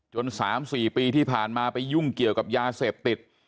๓๔ปีที่ผ่านมาไปยุ่งเกี่ยวกับยาเสพติด